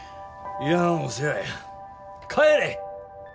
いらんお世話や帰れ！